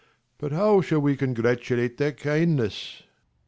But how shall we congratulate their kindness